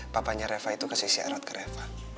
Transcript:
papanya reva itu kasih syarat ke reva